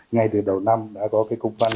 ngay từ đầu năm đã có cục văn